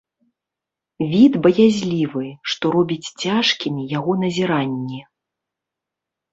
Від баязлівы, што робіць цяжкімі яго назіранні.